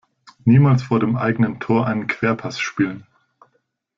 Niemals vor dem eigenen Tor einen Querpass spielen!